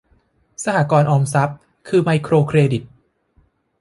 สหกรณ์ออมทรัพย์ คือไมโครเครดิต